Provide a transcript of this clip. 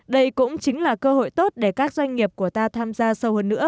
đây cũng chính là cơ hội tốt để các doanh nghiệp của ta tham gia sâu hơn nữa